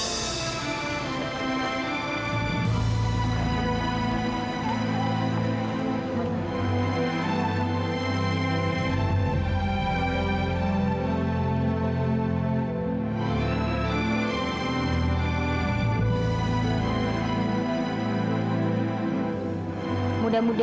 awan kamu sudah pergi dulu